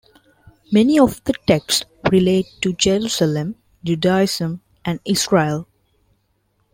Many of the texts relate to Jerusalem, Judaism and Israel.